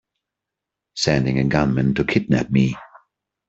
Sending a gunman to kidnap me!